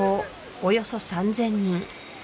およそ３０００人